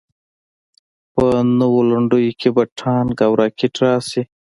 په نویو لنډیو کې به ټانک او راکټ راشي.